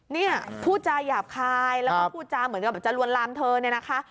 เนี่ยพูดจาหยาบคายแล้วก็พูดจาเหมือนกับจะลวนลามเธอเนี่ยนะคะ